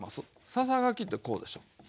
ささがきってこうでしょ。